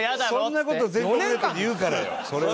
そんな事全国ネットで言うからよそれは。